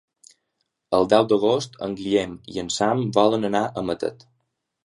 El deu d'agost en Guillem i en Sam volen anar a Matet.